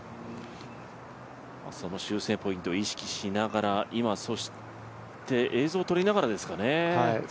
その修正ポイントを意識しながら、今そして映像を撮りながらですかね。